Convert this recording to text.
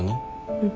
うん。